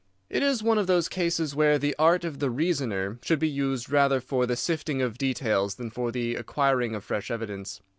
"It is one of those cases where the art of the reasoner should be used rather for the sifting of details than for the acquiring of fresh evidence.